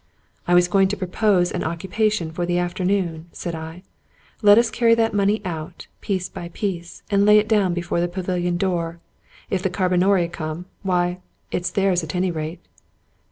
" I was going to propose an occupation for the afternoon," said I. " Let us carry that money out, piece by piece, and lay it down before the pavilion door. If the carbonari come, why, it's theirs at any rate."